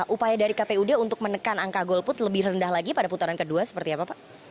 upaya dari kpud untuk menekan angka golput lebih rendah lagi pada putaran kedua seperti apa pak